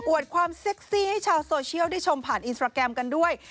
ความเซ็กซี่ให้ชาวโซเชียลได้ชมผ่านอินสตราแกรมกันด้วย